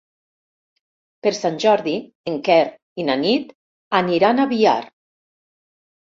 Per Sant Jordi en Quer i na Nit aniran a Biar.